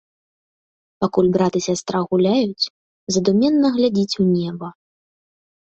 Пакуль брат і сястра гуляюць, задуменна глядзіць у неба.